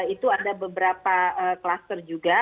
itu ada beberapa kluster juga